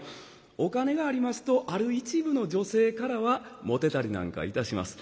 お金がありますとある一部の女性からはモテたりなんかいたします。